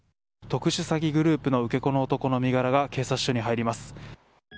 特殊詐欺グループの受け子の男の身柄が警察署に入ります。